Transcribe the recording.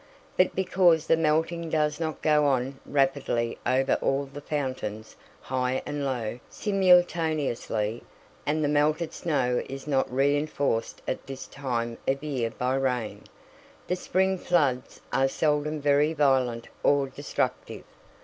But because the melting does not go on rapidly over all the fountains, high and low, simultaneously, and the melted snow is not reinforced at this time of year by rain, the spring floods are seldom very violent or destructive.